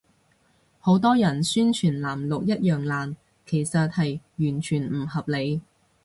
好多人宣傳藍綠一樣爛，其實係完全唔合理